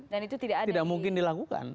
dan itu kan tidak mungkin dilakukan